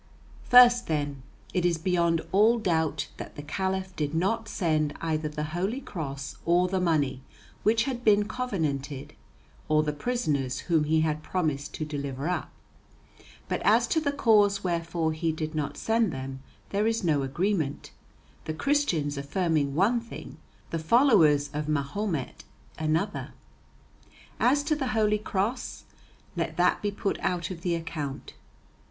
First, then, it is beyond all doubt that the Caliph did not send either the Holy Cross or the money which had been covenanted, or the prisoners whom he had promised to deliver up; but as to the cause wherefore he did not send them there is no agreement, the Christians affirming one thing, the followers of Mahomet another. As to the Holy Cross, let that be put out of the account.